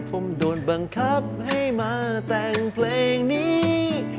ผมโดนบังคับให้มาแต่งเพลงนี้